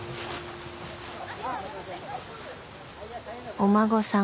お孫さん